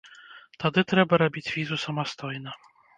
Тады трэба рабіць візу самастойна.